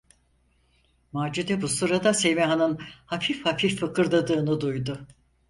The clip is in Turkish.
Macide bu sırada Semiha’nın hafif hafif fıkırdadığını duydu.